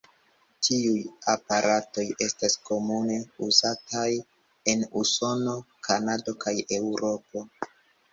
Tiuj aparatoj estas komune uzataj en Usono, Kanado kaj Eŭropo.